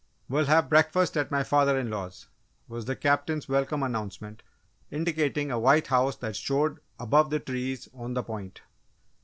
"We'll have breakfast at my father in law's," was the Captain's welcome announcement, indicating a white house that showed above the trees on the point.